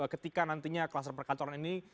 ketika nantinya kelas reperkatoran ini